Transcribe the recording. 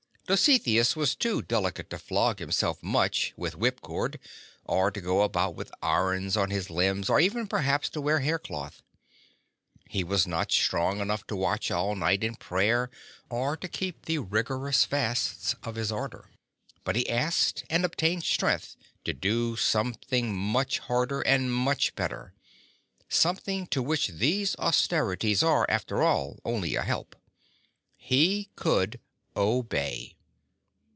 Dositheus was too deli cate to flog himself much with whip cord, or to go about with irons upon his limbs, or even perhaps to wear hair cloth. He was not strong enough to watch all night in prayer, or to keep the rigorous fasts of his Order. But he asked and obtained strength to do something much harder and much better — something to which these austerities are after all only a help. He could obey.